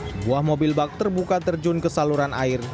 sebuah mobil bak terbuka terjun ke saluran air